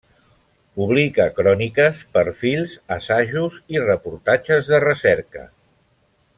Publica cròniques, perfils, assajos i reportatges de recerca.